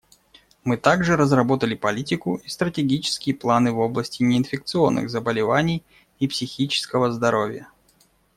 Мы также разработали политику и стратегические планы в области неинфекционных заболеваний и психического здоровья.